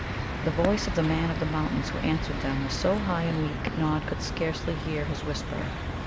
The voice of the Man of the Mountains who answered them was so high and weak Nod could scarcely hear his whisper.